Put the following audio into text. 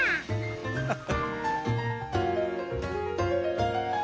アハハハ。